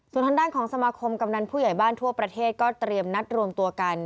ส่วนทางด้านของสมาคมกำนันผู้ใหญ่บ้านทั่วประเทศก็เตรียมนัดรวมตัวกัน